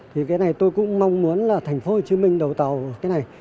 thì cái này tôi cũng mong muốn là thành phố hồ chí minh đầu tàu cái này